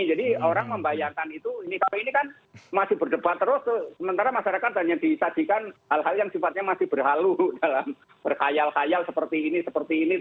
jadi orang membayarkan itu ini kan masih berdebat terus sementara masyarakat hanya disajikan hal hal yang sifatnya masih berhalu dalam berkayal kayal seperti ini seperti ini